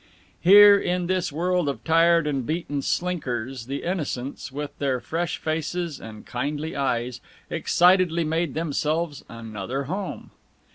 Here in this world of tired and beaten slinkers the Innocents, with their fresh faces and kindly eyes, excitedly made themselves another home.